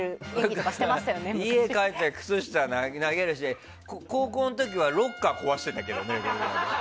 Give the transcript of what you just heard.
家に帰って靴下投げるし高校の時はロッカーを壊していたけどね。